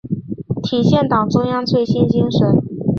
体现党中央最新精神